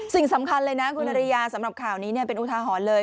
สิ่งสำคัญเลยนะคุณอริยาสำหรับข่าวนี้เป็นอุทาหรณ์เลย